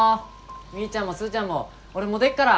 みーちゃんもスーちゃんも俺もう出っから！